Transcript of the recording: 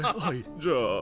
はいじゃあ。